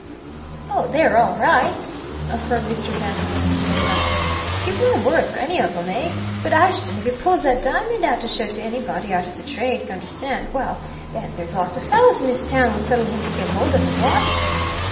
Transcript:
"Oh, they're all right!" affirmed Mr. Van Hoeren, with a laugh. "Give my word for any of 'em, eh? But Ashton if he pulls that diamond out to show to anybody out of the trade, you understand well, then, there's lots of fellows in this town would settle him to get hold of it what?"